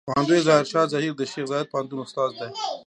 پوهندوی ظاهر شاه زهير د شیخ زايد پوهنتون استاد دی.